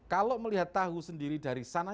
kalau melihat tahu sendiri dari sana